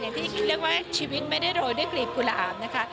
อย่างที่เรียกว่าชีวิตไม่ได้โดยได้กรีบกุราบนะคะ